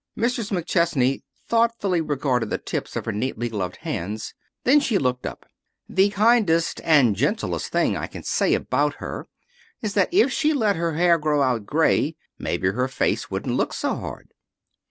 Mrs. McChesney thoughtfully regarded the tips of her neatly gloved hands. Then she looked up. "The kindest and gentlest thing I can say about her is that if she'd let her hair grow out gray maybe her face wouldn't look so hard."